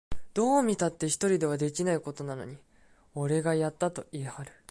どう見たって一人ではできないことなのに、俺がやったと言いはる